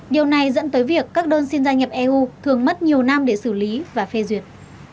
điều này dẫn tới việc các đơn xin gia nhập eu thường mất nhiều năm để xử lý và phê duyệt